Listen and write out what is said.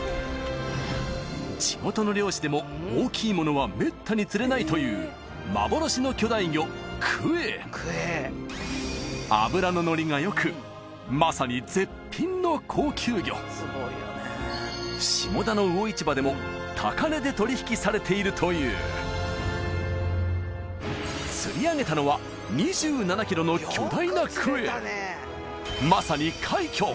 地元の漁師でも大きいものはめったに釣れないという幻の巨大魚クエ下田の魚市場でも高値で取引されているという釣り上げたのは２７ｋｇの巨大なクエまさに快挙！